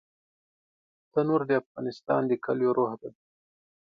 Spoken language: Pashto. تنور د افغانستان د کليو روح دی